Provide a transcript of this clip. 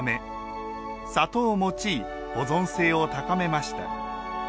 砂糖を用い保存性を高めました。